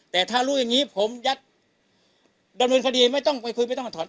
แต่ถ้ารู้อย่างนี้ผมยัดดำเนินคดีไม่ต้องไปคุยไม่ต้องมาถอด